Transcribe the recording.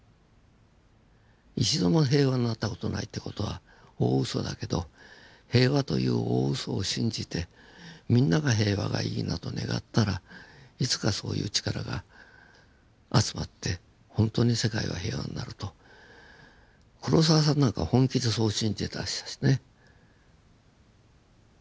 一度も平和になった事ないって事は大ウソだけど平和という大ウソを信じてみんなが平和がいいなと願ったらいつかそういう力が集まってほんとに世界は平和になると黒澤さんなんかは本気でそう信じてたしね。